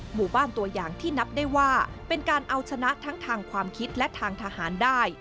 หมู่บ้านตัวอย่างที่นับได้ว่าเป็นการเอาชนะทั้งทางความคิดและทางทหารได้